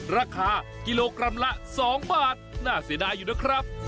ราคากิโลกรัมละ๒บาทน่าเสียดายอยู่นะครับ